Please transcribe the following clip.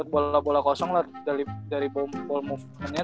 bola bola kosong lah dari ball movement nya